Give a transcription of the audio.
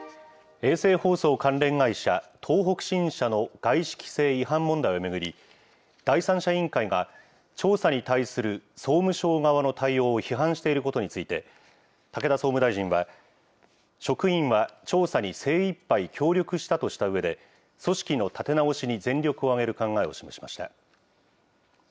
衛星放送関連会社、東北新社の外資規制違反問題を巡り、第三者委員会が調査に対する総務省側の対応を批判していることについて、武田総務大臣は、職員は調査に精いっぱい協力したとしたうえで、組織の立て直しに全力を挙げる考えを示しました。